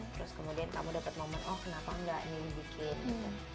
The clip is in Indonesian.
terus kemudian kamu dapat momen oh kenapa nggak nih bikin gitu